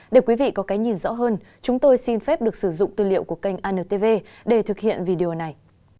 để quý vị có cái nhìn rõ hơn chúng tôi xin phép được sử dụng tư liệu của kênh anntv để thực hiện video này